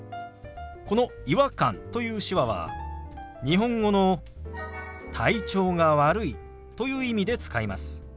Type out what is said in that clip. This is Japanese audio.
この「違和感」という手話は日本語の「体調が悪い」という意味で使います。